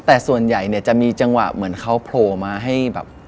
แต่ส่วนใหญ่เนี่ยจะมีจังหวะเหมือนเขาโผล่มาให้แบบ